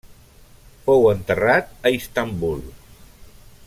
Fou enterrat a Istanbul.